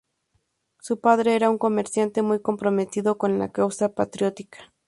Su padre era un comerciante muy comprometido con la causa patriótica.